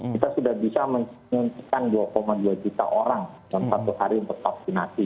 kita sudah bisa menyuntikkan dua dua juta orang dalam satu hari untuk vaksinasi